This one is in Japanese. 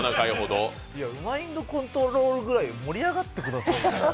マインドコントロールぐらい盛り上がってくださいよ。